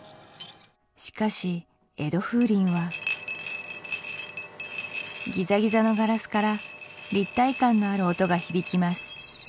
しかし江戸風鈴はギザギザのガラスから立体感のある音が響きます